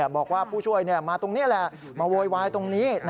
บอกว่าผู้ช่วยมาตรงนี้แหละมาโวยวายตรงนี้